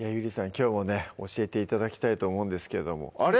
きょうもね教えて頂きたいと思うんですけどもあれ？